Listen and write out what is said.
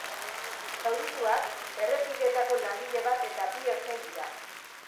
Zaurituak errepideetako langile bat eta bi ertzain dira.